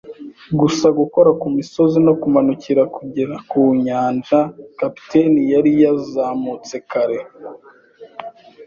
gusa gukora ku misozi no kumurika kugera ku nyanja. Kapiteni yari yazamutse kare